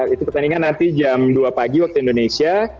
itu pertandingan nanti jam dua pagi waktu indonesia